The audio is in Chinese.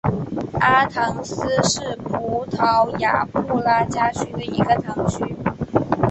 阿唐斯是葡萄牙布拉加区的一个堂区。